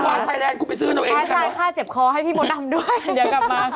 เฮ้วันไทยแลนด์คุณไปซื้อตัวเองใช่เหรอ